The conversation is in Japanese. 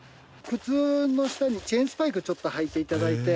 靴の下にチェーンスパイクちょっと履いて頂いて。